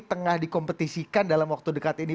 tengah dikompetisikan dalam waktu dekat ini